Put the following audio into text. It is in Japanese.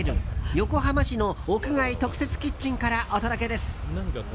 横浜市の屋外特設キッチンからお届けです。